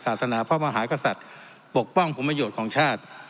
ศาสนาพระมหากษัตริย์ปกป้องคุมโมโยชน์ของชาติ